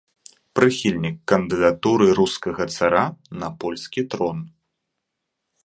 Прыхільнік кандыдатуры рускага цара на польскі трон.